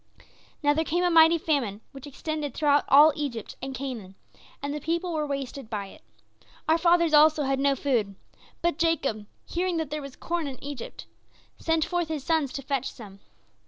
"Now there came a mighty famine, which extended throughout all Egypt and Canaan, and the people were wasted by it. Our fathers also had no food, but Jacob, hearing that there was corn in Egypt, sent forth his sons to fetch some.